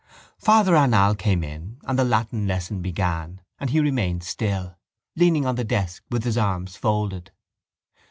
Father Arnall came in and the Latin lesson began and he remained still leaning on the desk with his arms folded.